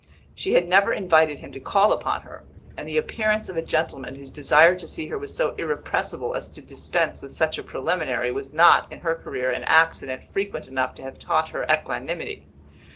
She had never invited him to call upon her, and the appearance of a gentleman whose desire to see her was so irrepressible as to dispense with such a preliminary was not in her career an accident frequent enough to have taught her equanimity.